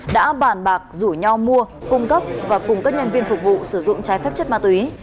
đã bàn bạc rủ nhau mua cung cấp và cùng các nhân viên phục vụ sử dụng trái phép chất ma túy